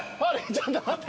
ちょっと待って。